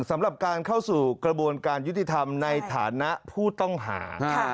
สำหรับการเข้าสู่กระบวนการยุติธรรมในฐานะผู้ต้องหา